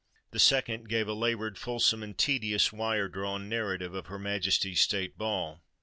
The second gave a laboured, fulsome, and tediously wire drawn narrative of "Her Majesty's State Ball."